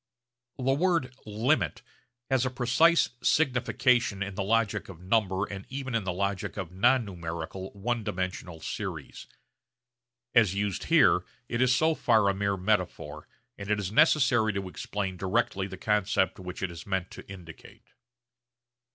The word 'limit' has a precise signification in the logic of number and even in the logic of non numerical one dimensional series. As used here it is so far a mere metaphor, and it is necessary to explain directly the concept which it is meant to indicate.